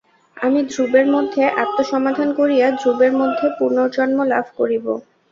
আমি ধ্রুবের মধ্যে আত্মসমাধান করিয়া ধ্রুবের মধ্যে পুনর্জন্ম লাভ করিব।